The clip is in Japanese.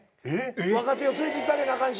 若手を連れていってあげなあかんし。